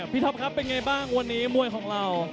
ท็อปครับเป็นไงบ้างวันนี้มวยของเรา